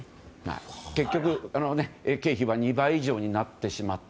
結局、経費は２倍以上になってしまった。